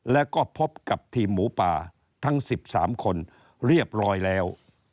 แล้วก็พบกับทีมหมูป่าทั้ง๑๓คนเรียบร้อยแล้ว